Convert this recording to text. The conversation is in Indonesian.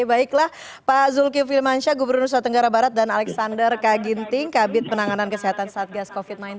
baiklah pak zulkifil mansyah gubernur selatan tenggara barat dan alexander kaginting kabinet penanganan kesehatan saat gas covid sembilan belas